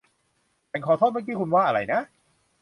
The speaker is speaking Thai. ฉันขอโทษ เมื่อกี้คุณว่าอะไรนะ